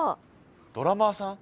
ドラマーさん？